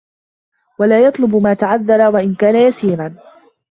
وَلَا يَطْلُبُ مَا تَعَذَّرَ وَإِنْ كَانَ يَسِيرًا